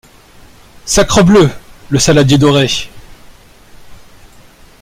Sacrebleu ! le saladier doré !